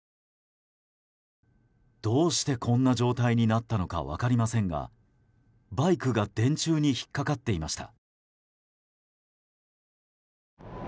どうしてこんな状態になったのか分かりませんがバイクが電柱に引っかかっていました。